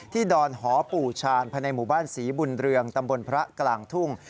ดอนหอปู่ชาญภายในหมู่บ้านศรีบุญเรืองตำบลพระกลางทุ่ง